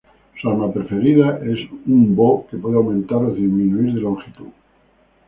Su arma preferida es un bō que puede aumentar o disminuir de longitud.